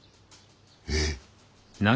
えっ？